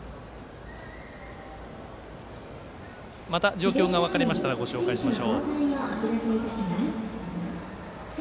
状況が分かりましたらご紹介します。